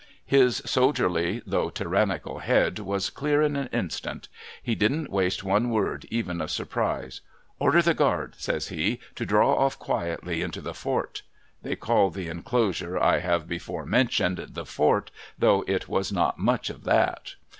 His soldierly, though tyrannical, head was clear in an instant. He didn't waste one word, even of surprise. ' Order the guard,' says he, ' to draw off quietly into the Fort.' (They called the enclosure I have before mentioned, the Fort, though it was not much of that.)